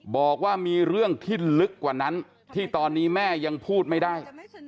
บอกว่ามีเรื่องที่ลึกกว่านั้นที่ตอนนี้แม่ยังพูดไม่ได้